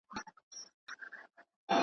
بزګر وویل که سترګي یې بینا وي ..